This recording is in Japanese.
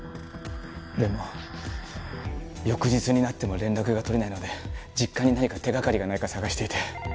でも翌日になっても連絡がとれないので実家に何か手がかりがないか探していて。